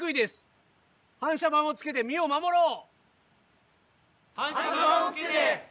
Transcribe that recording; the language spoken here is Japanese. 反射板をつけて身を守ろう！